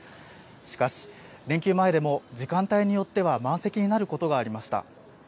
しかし、連休前でも時間帯によっては満席になることがありました。